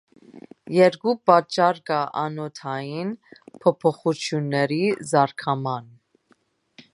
Երկու պատճառ կա անոթային փոփոխությունների զարգաման։